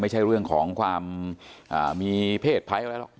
ไม่ใช่เรื่องของความมีเพศภัยอะไรหรอก